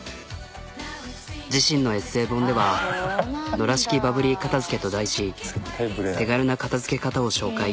自身のエッセー本ではノラ式バブリー片付けと題し手軽な片づけ方を紹介。